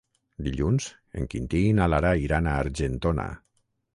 Dilluns en Quintí i na Lara iran a Argentona.